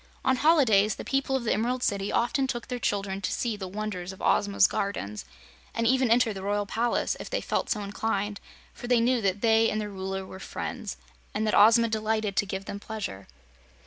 On holidays the people of the Emerald City often took their children to see the wonders of Ozma's gardens, and even entered the Royal Palace, if they felt so inclined, for they knew that they and their Ruler were friends, and that Ozma delighted to give them pleasure.